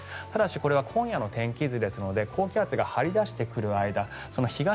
ただしこれは今夜の天気図ですので高気圧が張り出してくる間東